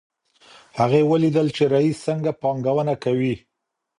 هغې ولیدل چې رییس څنګه پانګونه کوي.